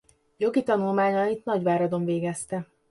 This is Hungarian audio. Jogi tanulmányait Nagyváradon végezte.